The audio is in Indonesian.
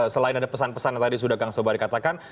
selain ada pesan pesan yang tadi sudah kang sobari katakan